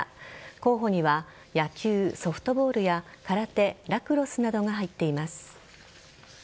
候補には野球、ソフトボールや空手、ラクロスなどが入っています。